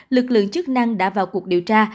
lực lượng chức năng đã vào cuộc điều tra